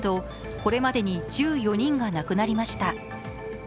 これまでに１４人が亡くなりました。